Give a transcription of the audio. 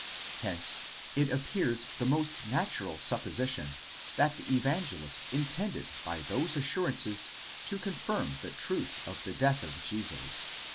Hence it appears the most natural supposition that the Evangelist intended by those assurances to con firm the truth of the death of Jesus